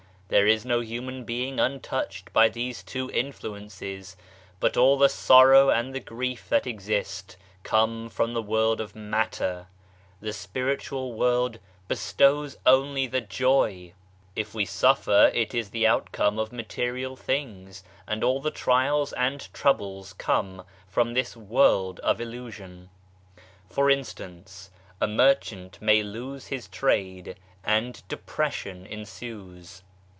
There is no human being untouched by these two influences ; but all the sorrow and the grief that exist come from the world of matter the Spiritual world bestows only the joy ! If we suffer it is the outcome of material things, and all the trials and troubles come from this world of illusion. For instance, a merchant may lose his trade and depression ensues.